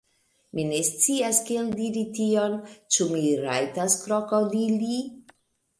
Mi ne scias, kiel diri tion. Ĉu mi rajtas krokodili?